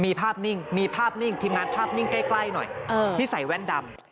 มีภาพนิ่งมีภาพนิ่งทีมงานภาพนิ่งใกล้หน่อยที่ใส่แว่นดำ